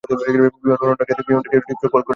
বিমান উড়ানোর আগে বিমান থেকে ভিকিকে কল করেছিলাম।